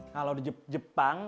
kalau di jepang